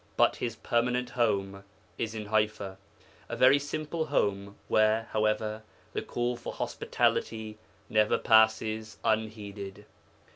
But his permanent home is in Ḥaifa, a very simple home where, however, the call for hospitality never passes unheeded.